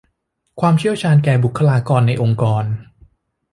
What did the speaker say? ความเชี่ยวชาญให้แก่บุคลากรในองค์กร